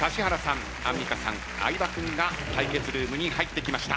アンミカさん相葉君が対決ルームに入ってきました。